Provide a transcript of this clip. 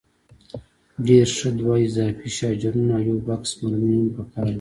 ډېر ښه، دوه اضافي شاجورونه او یو بکس مرمۍ مې هم په کار دي.